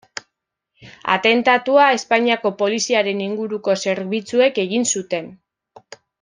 Atentatua Espainiako poliziaren inguruko zerbitzuek egin zuten.